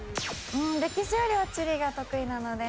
歴史よりは地理が得意なので。